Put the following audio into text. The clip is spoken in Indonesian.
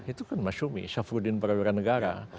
itu kan mas sumi syafruddin para wira negara